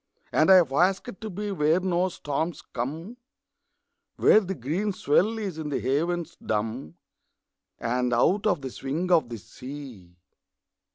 And I have asked to be Where no storms come, Where the green swell is in the havens dumb, And out of the swing of the sea.